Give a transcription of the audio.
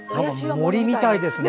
森みたいですね。